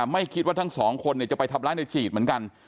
ไม่คิดว่าทั้งสองคนจะไปทำร้ายในจีดเหมือนกัน